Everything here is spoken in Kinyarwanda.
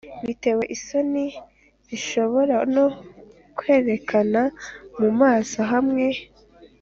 biteye isoni, sinshobora no kwerekana mu maso hanjye